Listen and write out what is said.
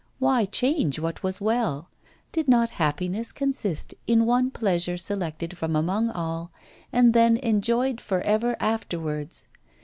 Why change what was well? Did not happiness consist in one pleasure selected from among all, and then enjoyed for ever afterwards?